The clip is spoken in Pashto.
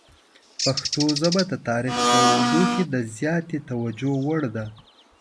پښتو ژبه د تاریخ په اوږدو کې د زیاتې توجه وړ ده.